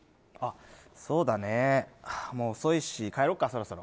そうだね、もう遅いし帰ろうかそろそろ。